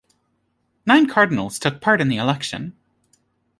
Nine cardinals took part in the election.